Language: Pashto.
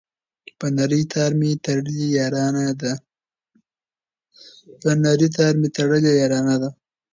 په نري تار مي تړلې یارانه ده